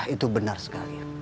itu benar sekali